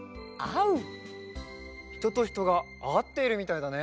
ひととひとがあっているみたいだね。